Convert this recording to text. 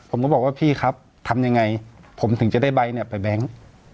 ผมก็บอกว่าพี่ครับทำยังไงผมถึงจะได้ใบเนี่ยไปแบงค์